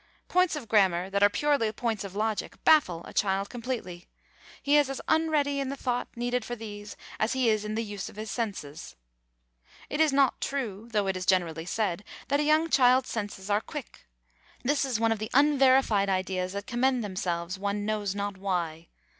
Points of grammar that are purely points of logic baffle a child completely. He is as unready in the thought needed for these as he is in the use of his senses. It is not true though it is generally said that a young child's senses are quick. This is one of the unverified ideas that commend themselves, one knows not why.